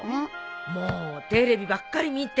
もうテレビばっかり見て。